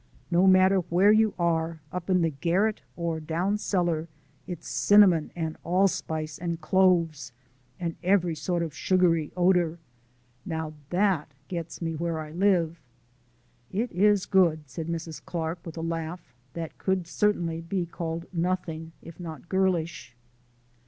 No matter where you are, up in the garret or down cellar, it's cinnamon, and allspice, and cloves, and every sort of sugary odour. Now, that gets me where I live!" "It IS good!" said Mrs. Clark with a laugh that could certainly be called nothing if not girlish.